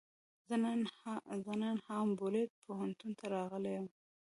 زه نن هامبولټ پوهنتون ته راغلی یم.